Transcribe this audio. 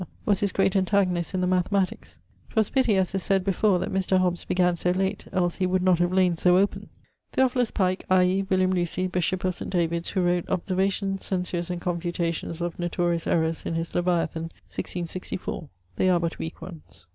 was his great antagonist in the Mathematiques. 'Twas pitty, as is said before, that Mr. Hobbs began so late, els he would have layn so open. 'Theophilus Pike' ( [William] Lucy, bishop of St. David's) who wrote ['Observations, censures, and confutations of notorious errours' in his Leviathan, 1664; they are but weak ones.